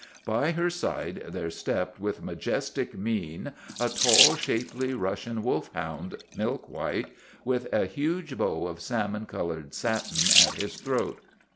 By her side there stepped with majestic mien a tall, shapely Russian wolfhound, milk white, with a huge bow of salmon colored satin at his throat.